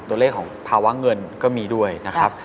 ตัวเลขของภาวะเงินก็มีด้วยนะครับ